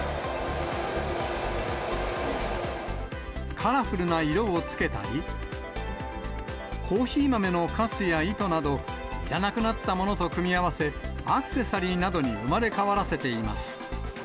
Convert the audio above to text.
カラフルな色をつけたり、コーヒー豆のかすや糸など、いらなくなったものと組み合わせ、アクセサリーなどに生まれ変わらせています。